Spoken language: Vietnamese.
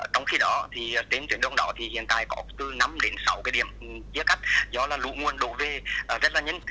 trong khi đó thì đến tuyển đường đó thì hiện tại có từ năm đến sáu cái điểm giết cắt do là lũ nguồn đổ về rất là nhanh